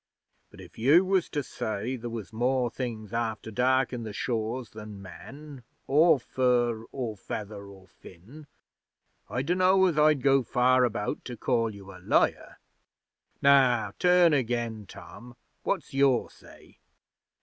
But if you was to say there was more things after dark in the shaws than men, or fur, or feather, or fin, I dunno as I'd go far about to call you a liar. Now turnagain, Tom. What's your say?'